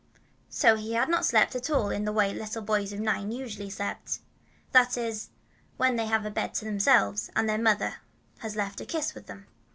So he had not slept at all in the way little boys of nine usually sleep, that is, when they have a bed to themselves, and their mother has left a kiss with them.